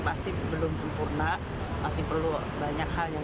dari sisi peraturan perundangan